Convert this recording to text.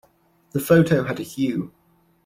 The photo had a hue.